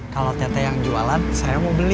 kalau tete yang jualan saya mau beli